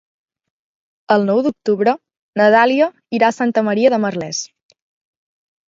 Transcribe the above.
El nou d'octubre na Dàlia irà a Santa Maria de Merlès.